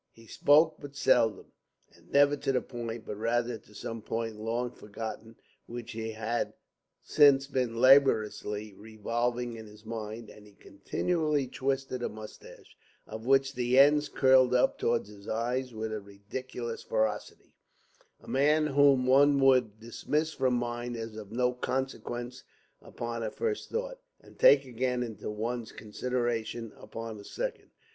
He spoke but seldom, and never to the point, but rather to some point long forgotten which he had since been laboriously revolving in his mind; and he continually twisted a moustache, of which the ends curled up toward his eyes with a ridiculous ferocity, a man whom one would dismiss from mind as of no consequence upon a first thought, and take again into one's consideration upon a second.